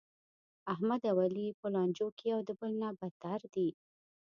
احمد او علي په لانجو کې یو د بل نه بتر دي.